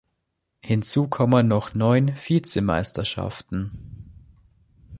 Hinzu kommen noch neun Vizemeisterschaften.